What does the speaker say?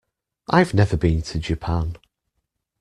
I've never been to Japan.